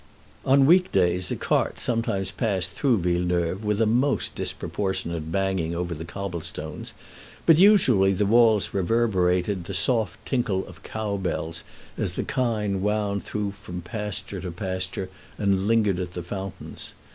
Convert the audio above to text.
On week days a cart sometimes passed through Villeneuve with a most disproportionate banging over the cobble stones, but usually the walls reverberated the soft tinkle of cow bells as the kine wound through from pasture to pasture and lingered at the fountains.